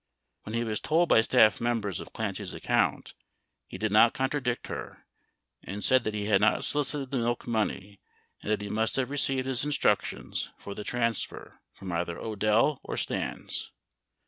When lie was told by staff members of Clancy's account, he did not contradict her and said that he bad not solicited the milk money and that he must have received his instructions for the transfer from either Odell or Stans.